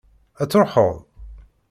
Ad truḥeḍ?